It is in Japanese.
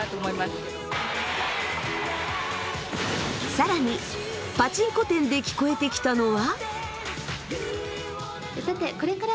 更にパチンコ店で聞こえてきたのは。